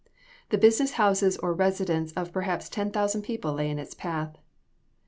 The business houses or residences of perhaps 10,000 people lay in its path.